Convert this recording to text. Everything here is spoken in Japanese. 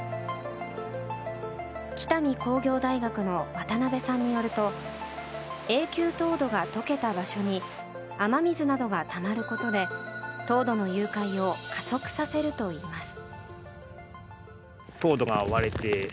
北見工業大学の渡邊さんによると永久凍土が解けた場所に雨水などがたまることで凍土の融解を加速させるといいます。